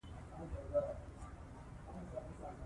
تاریخ د افغان ماشومانو د لوبو یوه ډېره جالبه او ښه موضوع ده.